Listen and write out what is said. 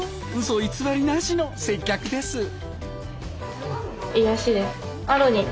うそ偽りなしの接客です。